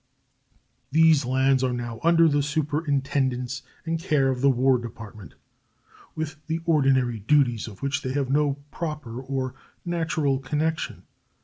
These lands are now under the superintendence and care of the War Department, with the ordinary duties of which they have no proper or natural connection.